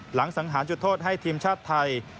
สังหารจุดโทษให้ทีมชาติไทย